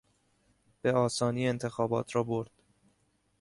به آسانی انتخابات را برد.